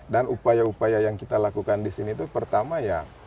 dan upaya upaya yang kita lakukan di sini itu pertama ya